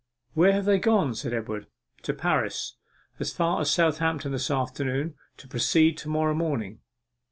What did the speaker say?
'Where have they gone?' said Edward. 'To Paris as far as Southampton this afternoon, to proceed to morrow morning.